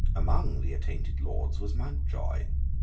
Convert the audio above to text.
Among the attainted Lords was Mountjoy.